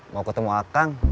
mau ketemu akang